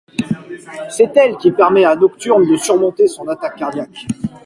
C'est elle qui permet à Nocturne de surmonter son attaque cardiaque.